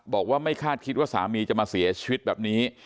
บอกว่าไม่คาดคิดว่าสามีจะมาเสียชีวิตแบบนี้